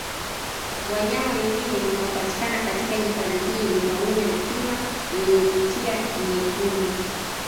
Wanyama wengine wanaopatikana katika hifadhi hii ni pamoja na Kima wenye mikia myekundu